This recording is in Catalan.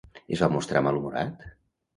Es va mostrar malhumorat?